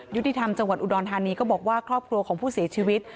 ยุติธรรมจังหวัดอุดรธานีก็บอกว่าครอบครัวของผู้เสียชีวิต